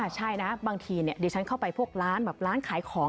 ใช่นะบางทีเนี่ยเดี๋ยวฉันเข้าไปพวกร้านแบบร้านขายของอะ